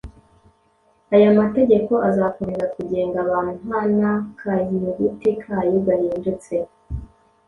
aya mategeko azakomeza kugenga abantu nta n’akanyuguti kayo gahindutse.